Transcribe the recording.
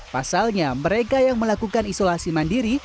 pasalnya mereka yang melakukan isolasi mandiri